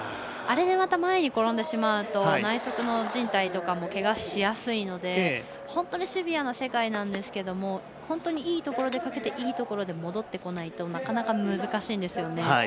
あれでまた前に転んでしまうと内足のじん帯とかもけがしやすいので本当にシビアな世界なんですけどいいところでかけていいところで戻ってこないとなかなか難しいんですよね。